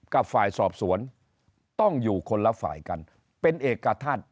กับฝ่ายสอบสวนต้องอยู่คนละฝ่ายกันเป็นเอกทัศน์